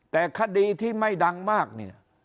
แต่คดีที่ไม่ดังมากเนี่ย